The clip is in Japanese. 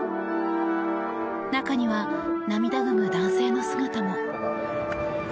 中には、涙ぐむ男性の姿も。